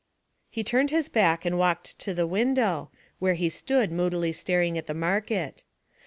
He turned his back and walked to the window, where he stood moodily staring at the market.